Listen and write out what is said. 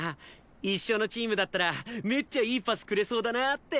一緒のチームだったらめっちゃいいパスくれそうだなって。